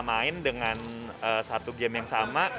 main dengan satu game yang sama